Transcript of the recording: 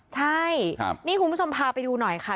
ใช่นี่คุณผู้ชมพาไปดูหน่อยค่ะ